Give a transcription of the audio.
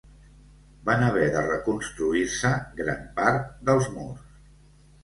Van haver de reconstruir-se gran part dels murs.